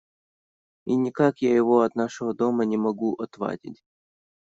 И никак я его от нашего дома не могу отвадить.